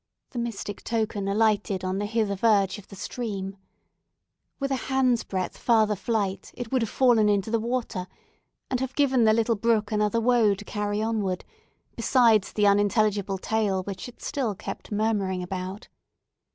The mystic token alighted on the hither verge of the stream. With a hand's breadth further flight, it would have fallen into the water, and have given the little brook another woe to carry onward, besides the unintelligible tale which it still kept murmuring about.